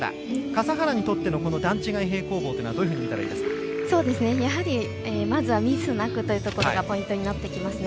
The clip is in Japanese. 笠原にとっての段違い平行棒というのはやはりまずはミスなくというところがポイントになってきます。